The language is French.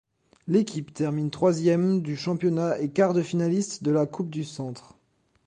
L'équipe termine troisièmes du championnat et quart-de-finaliste de la Coupe du Centre.